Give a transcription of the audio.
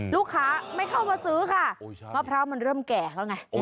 ลูกค้าไม่เข้ามาซื้อค่ะมะพร้าวมันเริ่มแก่แล้วไง